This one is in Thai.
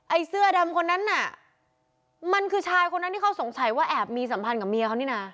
เสื้อดำคนนั้นน่ะมันคือชายคนนั้นที่เขาสงสัยว่าแอบมีสัมพันธ์กับเมียเขานี่นะ